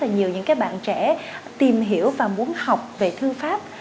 và trong cuộc sống hiện đại cũng có rất là nhiều những bạn trẻ tìm hiểu và muốn học về thư pháp